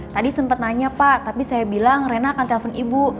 tadi sempat nanya pak tapi saya bilang rena akan telpon ibu